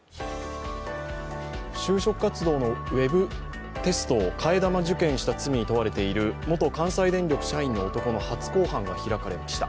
就職活動のウェブテストを替え玉受検した罪に問われている元関西電力社員の男の初公判が開かれました。